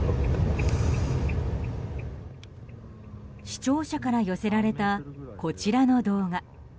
視聴者から寄せられたこちらの動画。